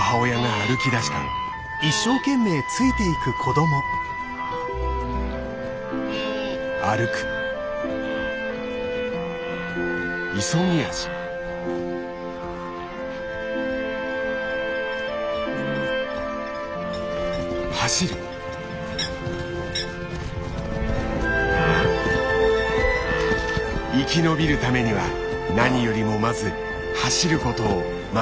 生き延びるためには何よりもまず走ることを学ばねばならない。